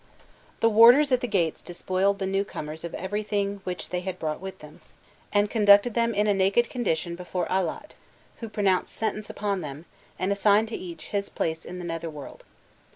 The warders at the gates despoiled the new comers of everything which they had brought with them, and conducted them in a naked condition before Allat, who pronounced sentence upon them, and assigned to each his place in the nether world.